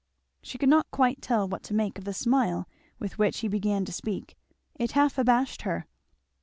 She could not quite tell what to make of the smile with which he began to speak; it half abashed her.